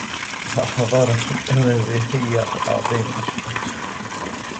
الحضارة الامازيغية عظيمة.